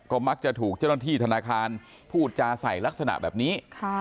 ก็มักจะถูกเจ้าหน้าที่ธนาคารพูดจาใส่ลักษณะแบบนี้